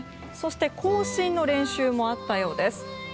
そして、行進の練習もあったようです。